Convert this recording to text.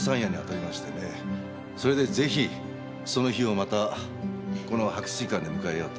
それでぜひその日をまたこの白水館で迎えようと。